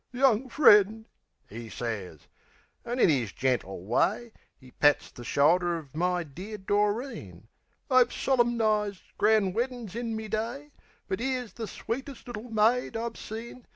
"Young friend," 'e sez. An' in 'is gentle way, 'E pats the shoulder of my dear Doreen. "I've solem'ized grand weddin's in me day, But 'ere's the sweetest little maid I've seen.